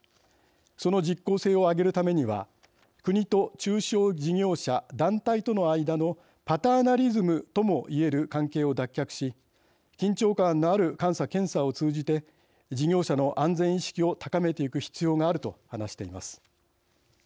その実効性を上げるためには国と中小事業者、団体との間のパターナリズムともいえる関係を脱却し、緊張感のある監査・検査を通じて事業者の安全意識を高めていく必要がある」と話しています。